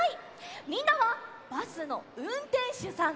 みんなはバスのうんてんしゅさんです。